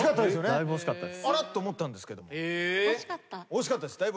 惜しかったです。